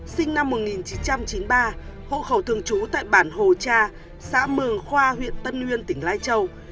sinh năm một nghìn chín trăm chín mươi ba hộ khẩu thường trú tại bản hồ cha xã mường khoa huyện tân nguyên tỉnh lai châu